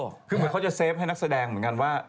คือเหมือนเขาจะเซฟให้นักแสดงเหมือนกันว่า